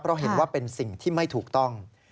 เพราะเห็นว่าเป็นสิ่งที่ไม่ถูกต้อง